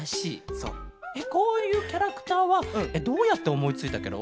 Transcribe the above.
えっこういうキャラクターはどうやっておもいついたケロ？